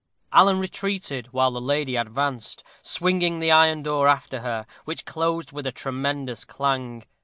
Alan retreated, while the lady advanced, swinging the iron door after her, which closed with a tremendous clang.